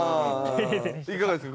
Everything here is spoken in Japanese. いかがですか？